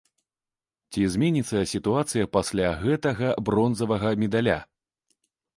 Ці зменіцца сітуацыя пасля гэтага бронзавага медаля?